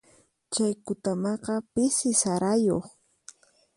Chay kutamaqa pisi sarayuq.